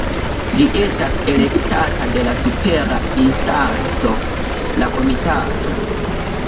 Ĝi estas elektata de la supera instanco, la Komitato.